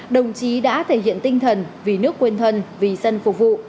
đồng chí đã thể hiện tinh thần vì nước quên thân vì dân phục vụ